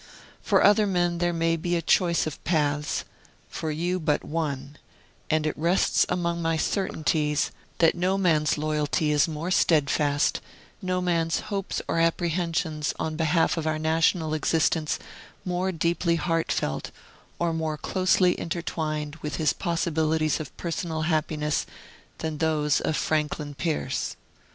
For other men there may be a choice of paths, for you, but one; and it rests among my certainties that no man's loyalty is more steadfast, no man's hopes or apprehensions on behalf of our national existence more deeply heartfelt, or more closely intertwined with his possibilities of personal happiness, than those of FRANKLIN PIERCE.